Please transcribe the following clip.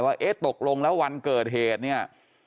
ว่าเอ๊ะตกลงแล้ววันเกิดเหตุเนี่ย